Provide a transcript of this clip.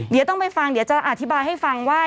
เดี๋ยวต้องไปฟังเดี๋ยวจะอธิบายให้ฟังว่า